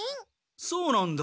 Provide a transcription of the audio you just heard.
そうなんだ。